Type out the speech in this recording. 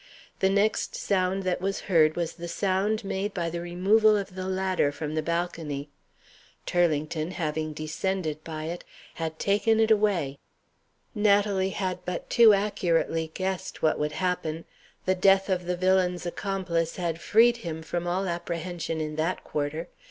The next sound that was heard was the sound made by the removal of the ladder from the balcony. Turlington, having descended by it, had taken it away. Natalie had but too accurately guessed what would happen. The death of the villain's accomplice had freed him from all apprehension in that quarter.